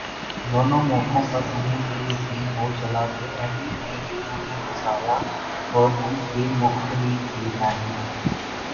دونوں موقعوں پر انھیں یہ یقین ہو چلا کہ ایڈی نے ہی انھیں پھنسایا اور ان کی مخبری کی ہے۔